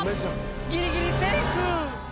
「ギリギリセーフ！」